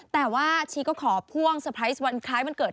แต่ว่าชีก็ขอพ่วงเตอร์ไพรส์วันคล้ายวันเกิด